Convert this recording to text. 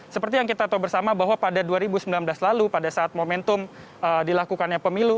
seperti yang kita tahu bersama bahwa pada dua ribu sembilan belas lalu pada saat momentum dilakukannya pemilu